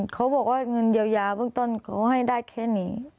เขาบอกว่าเงินเยียวยาเบื้องต้นเขาให้ได้แค่นี้